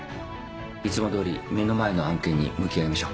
いつもどおり目の前の案件に向き合いましょう。